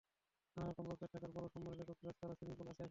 নানা রকম কটেজ, থাকার ঘর, সম্মেলন কক্ষ, রেস্তোরাঁ, সুইমিংপুল আছে এখানে।